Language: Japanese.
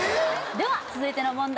では続いての問題